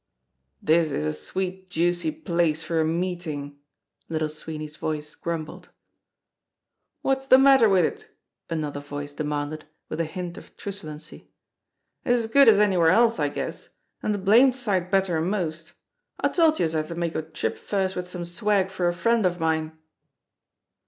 "This is a sweet, juicy place for a meeting!" Little Swee ney's voice grumbled. "Wot's de matter wid it?" another voice demanded, with a hint of truculency. "It's as good as anywhere else, I guess, an' a blamed sight better'n most. I told youse I had to make a trip first with some swag for a friend of mine."